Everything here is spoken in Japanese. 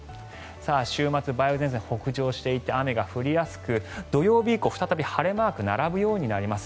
週末、梅雨前線が北上して雨が降りやすく土曜日以降、再び晴れマーク並ぶようになります。